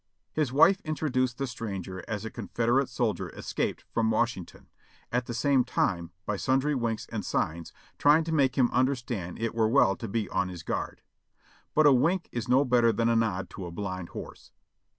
His wife introduced the stranger as a Confederate sol dier escaped from Washington, at the same time by sundry winks and signs trying to make him understand it were well to be on his guard. But a wink is no better than a nod to a blind horse.